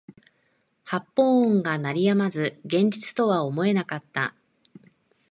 発砲音が鳴り止まず現実とは思えなかった